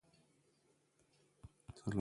پرستنده